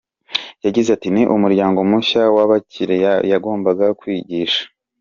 Yagize ati“Ni umuryango mushya w’ababikira yagombaga kwigisha.